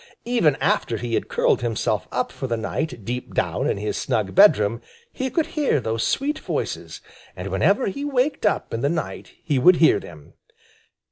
Even after he had curled himself up for the night deep down in his snug bedroom, he could hear those sweet voices, and whenever he waked up in the night he would hear them.